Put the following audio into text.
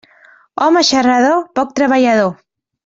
Home xarrador, poc treballador.